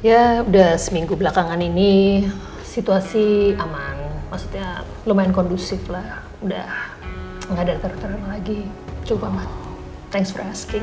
ya udah seminggu belakangan ini situasi aman maksudnya lumayan kondusif lah udah gak ada teror teror lagi cukup amat thanks for asking